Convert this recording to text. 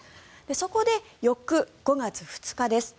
そこで、翌５月２日です